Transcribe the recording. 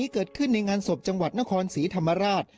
เกิดขึ้นในงานศพจังหวัดนครศรีธรรมราช